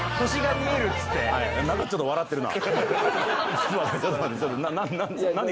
星が見えるつって。